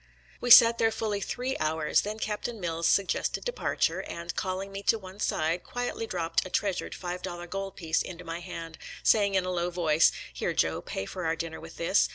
We sat there fully three hours; then Captain Mills suggested departure, and, calling me to one side, quietly dropped a treasured five dollar gold piece into my hand, saying in a low voice, " Here, Joe, pay for our dinner with this.